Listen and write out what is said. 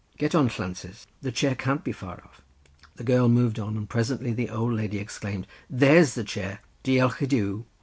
Get on, Llances, the chair can't be far off;" the girl moved on, and presently the old lady exclaimed "There's the chair, Diolch i Duw!"